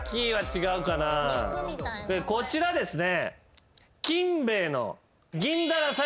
こちらですね。